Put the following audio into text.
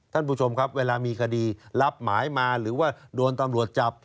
ท่านผู้ชมครับเวลามีคดีรับหมายมาหรือว่าโดนตำรวจจับ